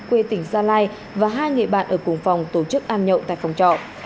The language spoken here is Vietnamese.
quê tỉnh gia lai và hai người bạn ở cùng phòng tổ chức ăn nhậu tại phòng trọ